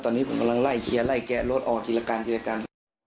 ตอนนี้มากำลังไล่แเขียไล่แกะหลุดออกทีรการทีรการ